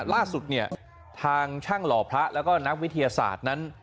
ล่าสุดเนี่ยทางช่างหล่อพระแล้วก็นักวิทยาศาสตร์นั้น